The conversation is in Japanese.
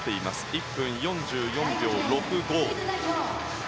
１分４４秒６５。